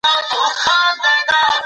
ما په دې اړه ډېر فکر کړی و.